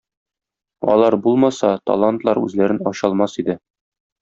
Алар булмаса, талантлар үзләрен ача алмас иде.